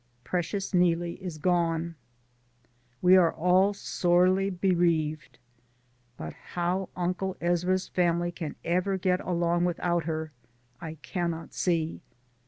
Precious Neelie is gone. We are all sorely bereaved, but how Uncle Ezra's family can ever get along with out her, I cannot see.